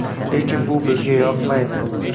Lekin bu bizga yoqmaydi